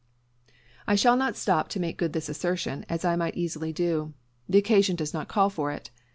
I shall not stop to make good this assertion, as I might easily do. The occasion does not call for it.